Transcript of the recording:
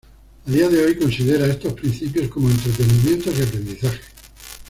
A día de hoy considera estos principios como entretenimiento y aprendizaje.